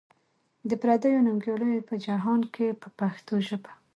د پردیو ننګیالیو په جهان کې په پښتو ژبه.